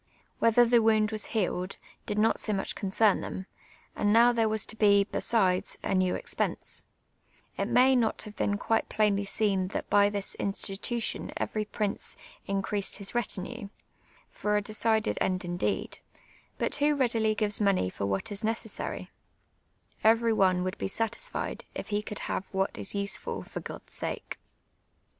Whether the wound was healed, did not so much concern them : and now there was to be, besides, a new ex pense. It may not have been quite plainly seen that by this HISTORY OF THE TMrEltlAL CHAMTIFR. ^157 in><titutlon cvcrv prince iii'^ivastil liis rotiimo, for a decided end indeed, — but wlio readily pves money for what is neees saiT ? I'.very one would be satisfied, if lie could have what is us(>ful '* for God's sjikc."